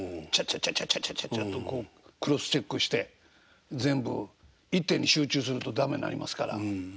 チャチャチャチャッっとこうクロスチェックして全部一点に集中すると駄目になりますから。